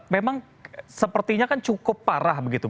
memang sepertinya kan cukup parah begitu